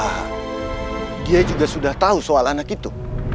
hah dia juga sudah tahu soal anak itu